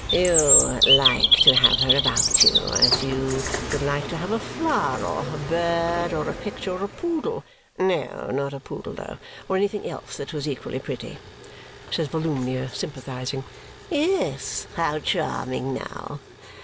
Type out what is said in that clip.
"You like to have her about you, as you would like to have a flower, or a bird, or a picture, or a poodle no, not a poodle, though or anything else that was equally pretty?" says Volumnia, sympathizing. "Yes, how charming now!